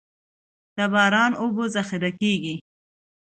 د باران اوبه ذخیره کیږي